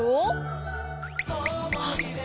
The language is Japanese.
あっ